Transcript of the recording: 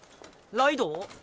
ライドウ？